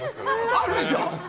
あるでしょ！